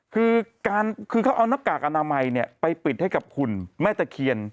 คือเขาเอาหน้ากากอนามัยไปปิดให้กับหุ่นแม่ตะเคียน